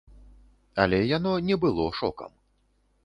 Але яно не было шокам.